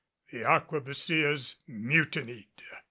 The arquebusiers mutinied.